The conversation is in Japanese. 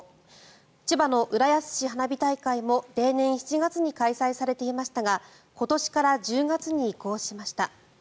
千葉の浦安市花火大会も例年７月に開催されていましたが今年から１０月に移行しました。